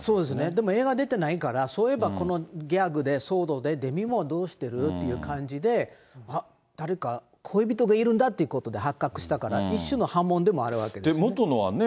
もう映画に出てないから、そういえばこのギャグで、騒動で、デミ・ムーアどうしてるっていう感じで、誰か恋人がいるんだということで、発覚したから、一種の波紋でもあるわけですね。